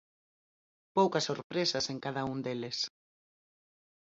Poucas sorpresas en cada un deles.